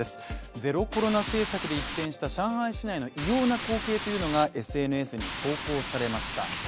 ゼロコロナ政策で一変した上海市内の異様な光景というのがＳＮＳに投稿されました。